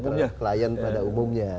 terhadap klien pada umumnya